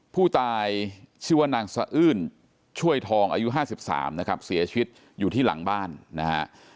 ผู้ตายชื่อว่านางสะอื้นช่วยทองอายุ๕๓นะครับเสียชีวิตอยู่ที่หลังบ้านนะฮะ